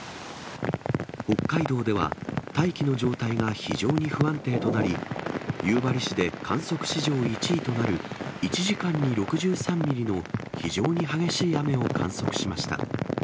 北海道では、大気の状態が非常に不安定となり、夕張市で観測史上１位となる１時間に６３ミリの非常に激しい雨を観測しました。